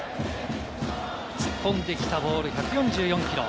突っ込んできたボール、１４４キロ。